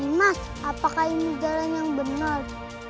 mas apakah ini jalan yang benar